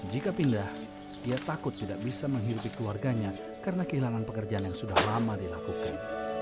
jika pindah ia takut tidak bisa menghidupi keluarganya karena kehilangan pekerjaan yang sudah lama dilakukan